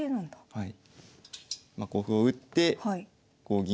はい。